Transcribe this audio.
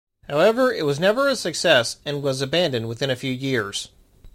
However, it was never a success, and was abandoned within a few years.